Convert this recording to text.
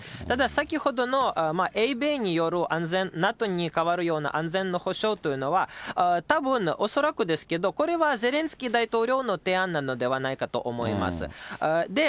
ただ、先ほどの、英米による安全、ＮＡＴＯに代わるような安全の保障というのは、たぶん、恐らくですけど、これはゼレンスキー大統領の提案なのではないかと思います。